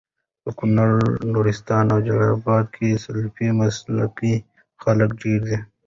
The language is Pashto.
په کونړ، نورستان او جلال اباد کي سلفي مسلکه خلک ډير دي